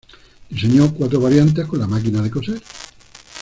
Diseñó cuatro variantes con la máquina de coser.